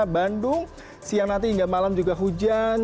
bandung siang nanti hingga malam juga hujan